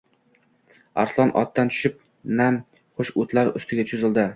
Arslon otdan tushib nam-xush o‘tlar ustiga cho‘zildi.